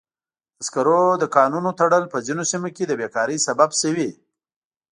د سکرو د کانونو تړل په ځینو سیمو کې د بیکارۍ سبب شوی.